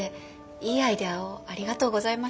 いいアイデアをありがとうございました。